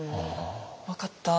「分かった。